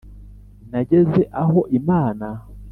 Nageze aho Imana